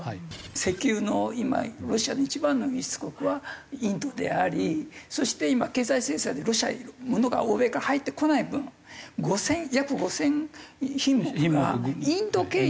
石油の今ロシアの一番の輸出国はインドでありそして今経済制裁でロシアに物が欧米から入ってこない分約５０００品目がインド経由で入ってきてるんですね。